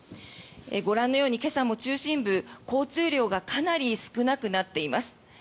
ご覧のように今朝も中心部交通量がかなり少なくなっています。